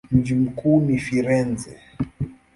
Mji mkuu ni Firenze.